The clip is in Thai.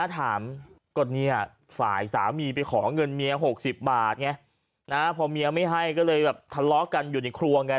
ถามก็เนี่ยฝ่ายสามีไปขอเงินเมีย๖๐บาทไงพอเมียไม่ให้ก็เลยแบบทะเลาะกันอยู่ในครัวไง